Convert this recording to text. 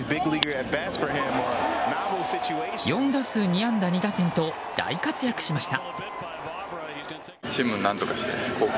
４打数２安打２打点と大活躍しました。